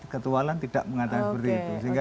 ketua lan tidak mengatakan seperti itu